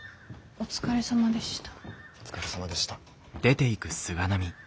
お疲れさまでした。